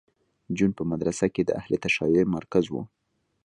جون په مدرسه کې د اهل تشیع مرکز و